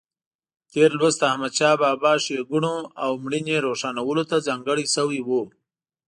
تېر لوست د احمدشاه بابا ښېګڼو او مړینې روښانولو ته ځانګړی شوی و.